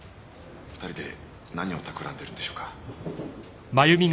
２人で何を企んでるんでしょうか。